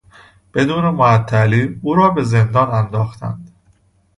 بدون معطلی او را به زندان انداختند.